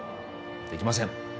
できません